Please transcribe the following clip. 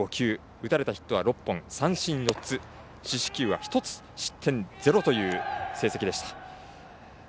打たれたヒットは６本、三振４つ四死球は１つ失点０という成績でした。